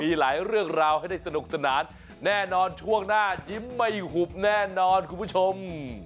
มีหลายเรื่องราวให้ได้สนุกสนานแน่นอนช่วงหน้ายิ้มไม่หุบแน่นอนคุณผู้ชม